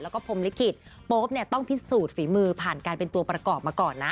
แล้วก็พรมลิขิตโป๊ปเนี่ยต้องพิสูจน์ฝีมือผ่านการเป็นตัวประกอบมาก่อนนะ